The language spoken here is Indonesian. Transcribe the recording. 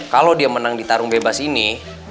kalau dia menang di tarung bebas ini